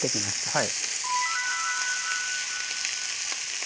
はい。